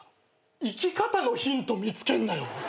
生き方のヒント見つけんなよ。